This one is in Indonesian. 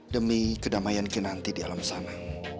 demi kedamaian kinanti di alam sana